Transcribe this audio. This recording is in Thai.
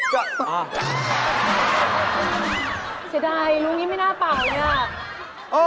เสียดายลุงนี้ไม่น่าเป่าเนี่ย